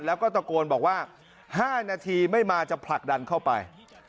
แล้วก็ตะโกนบอกว่า๕นาทีไม่มาจะผลักดันเข้าไป